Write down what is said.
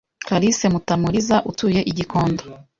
Clarisse Mutamuliza utuye i Gikondo